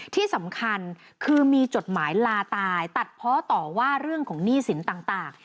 ที่สำคัญคือมีจดหมายลาตายตัดเพาะต่อว่าเรื่องของหนี้สินต่าง